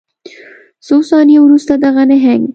څو ثانیې وروسته دغه نهنګ